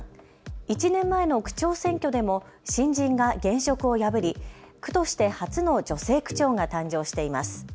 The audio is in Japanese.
１年前の区長選挙でも新人が現職を破り区として初の女性区長が誕生しています。